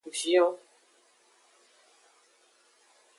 Vion.